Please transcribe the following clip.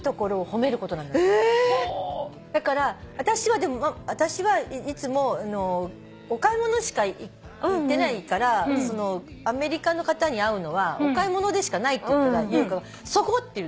だから私はいつもお買い物しか行ってないからアメリカの方に会うのはお買い物でしかないって言ったら優香がそこ！って言うの。